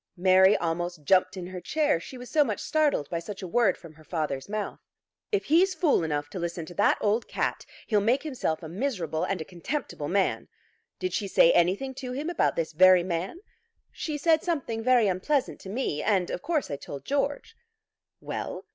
Mary almost jumped in her chair, she was so much startled by such a word from her father's mouth. "If he's fool enough to listen to that old cat, he'll make himself a miserable and a contemptible man. Did she say anything to him about this very man?" "She said something very unpleasant to me, and of course I told George." "Well?"